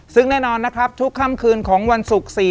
ซึ่งแน่นอนนะครับทุกค่ำคืนของวันศุกร์